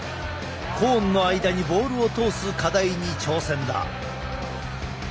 コーンの間にボールを通す課題に挑戦だ。